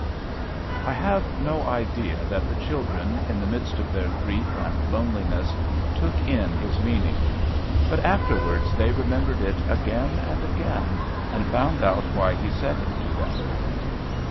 I have no idea that the children, in the midst of their grief and loneliness, took in his meaning. But afterwards they remembered it again and again, and found out why he said it to them.